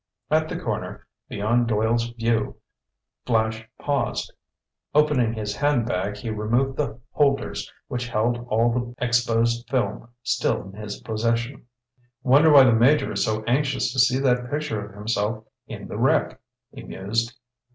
At the corner, beyond Doyle's view, Flash paused. Opening his handbag, he removed the holders which held all the exposed films still in his possession. "Wonder why the Major is so anxious to see that picture of himself in the wreck?" he mused.